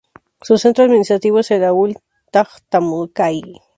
Su centro administrativo es el "aul" de Tajtamukái.